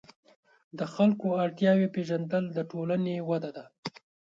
د خلکو اړتیاوې پېژندل د ټولنې وده ده.